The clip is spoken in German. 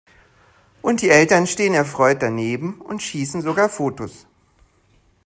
Und die Eltern stehen erfreut daneben und schießen sogar Fotos!